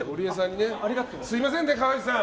すみませんね、河内さん。